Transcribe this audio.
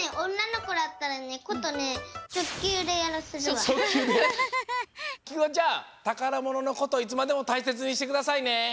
けっこんしたらねきくのちゃんたからもののこといつまでもたいせつにしてくださいね。